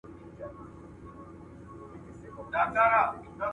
ميرويس خان نيکه څنګه د خپل حکومت بنسټ ټينګ کړ؟